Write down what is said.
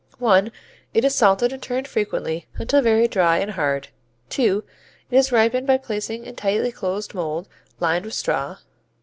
It is salted and turned frequently until very dry and hard. II. It is ripened by placing in tightly closed mold, lined with straw.